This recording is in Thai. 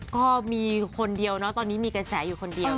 ก็มีคนเดียวเนอะตอนนี้มีกระแสอยู่คนเดียว